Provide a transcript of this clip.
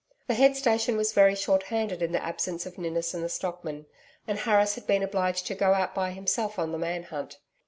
The head station was very shorthanded in the absence of Ninnis and the stockmen, and Harris had been obliged to go out by himself on the man hunt.